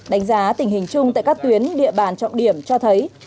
đánh giá tình hình chung tại các tuyến địa bàn trọng điểm cho thấy